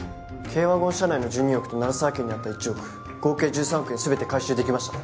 軽ワゴン車内の１２億と鳴沢家にあった１億合計１３億円すべて回収できました